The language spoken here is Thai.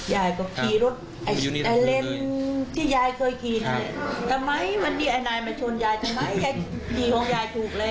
ยายก็ขี่รถไอ้เลนส์ที่ยายเคยขี่ทำไมวันนี้ไอ้นายมาชนยายทำไมขี่ของยายถูกเลย